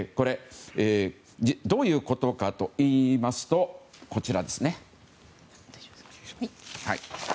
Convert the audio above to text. どういうことかといいますとこちらです。